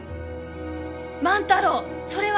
万太郎それは！